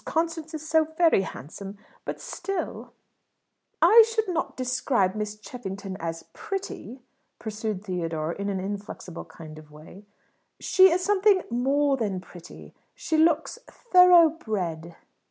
Constance is so very handsome. But still " "I should not describe Miss Cheffington as pretty," pursued Theodore, in an inflexible kind of way. "She is something more than pretty. She looks thoroughbred."